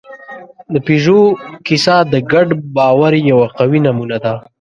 د پيژو کیسه د ګډ باور یوه قوي نمونه ده.